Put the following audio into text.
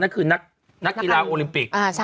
นั่นคือนักกีฬาโอลิมปิก